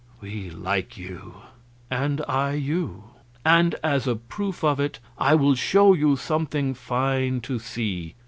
"We like you." "And I you. And as a proof of it I will show you something fine to see.